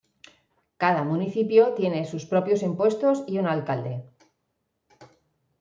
Cada municipio tiene sus propios impuestos y un alcalde.